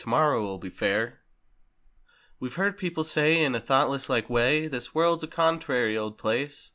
TOMORROW'LL BE FAIR We've heard people say, in a thoughtless like way— "This world's a contrary old place!"